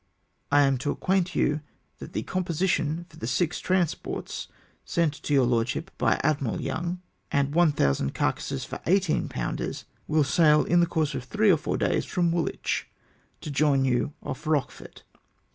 " I am also to acquaint you that the composition for the six transports, sent to your lordship by Admiral Young, and 1000 carcases for 1 8 pound ers, will sail in the course of three or four days from Woolwich, to join you off Eochefort.